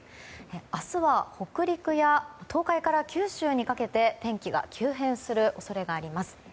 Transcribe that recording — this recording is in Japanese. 明日は北陸や東海から九州にかけて天気が急変する恐れがあります。